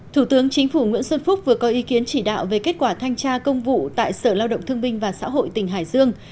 thủ tướng chính phủ nguyễn xuân phúc vừa có ý kiến chỉ đạo về kết quả thanh tra công vụ tại sở lao động thương binh và xã hội tỉnh hải dương